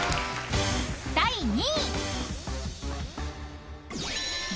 ［第２位］